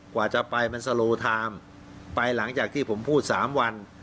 กว่าจะไปมันสโลไทม์ไปหลังจากที่ผมพูด๓วัน